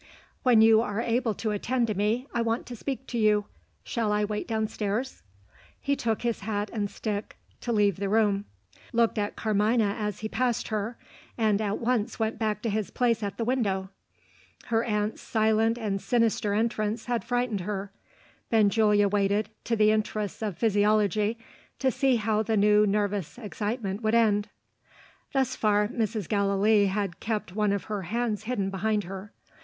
"When you are able to attend to me, I want to speak to you. Shall I wait downstairs?" He took his hat and stick to leave the room; looked at Carmina as he passed her; and at once went back to his place at the window. Her aunt's silent and sinister entrance had frightened her. Benjulia waited, in the interests of physiology, to see how the new nervous excitement would end. Thus far, Mrs. Gallilee had kept one of her hands hidden behind her.